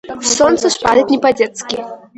Солнце шпарит не по-детски!